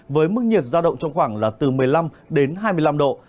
với mức nhiệt giao động trong khoảng là từ một mươi năm đến hai mươi năm độ